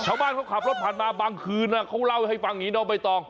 ชาวบ้านเขาขับรถผ่านมาบางคืนเขาเล่าให้ฟังอย่างนี้น้องใบตอง